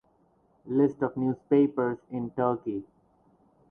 List of newspapers in Turkey